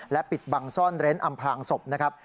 ปิดบังซ่อนเร้นอำพลางศพนะครับ